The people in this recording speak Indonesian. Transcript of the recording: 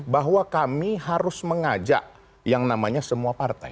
bahwa kami harus mengajak yang namanya semua partai